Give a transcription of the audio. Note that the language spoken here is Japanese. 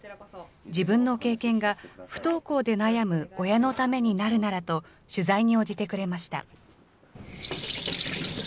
自分の経験が不登校で悩む親のためになるならと、取材に応じてくれました。